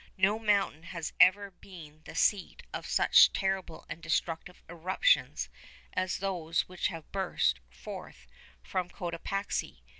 No mountain has ever been the seat of such terrible and destructive eruptions as those which have burst forth from Cotopaxi.